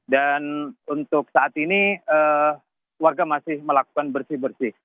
dan untuk saat ini warga masih melakukan bersih bersih